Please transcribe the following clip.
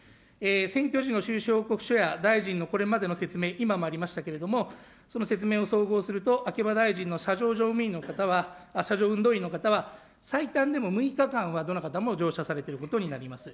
選挙時の収支報告書やこれまでの説明、今もありましたけれども、その説明を総合すると秋葉大臣の車上運動員の方は最短でも６日間はどの方も乗車されていることになります。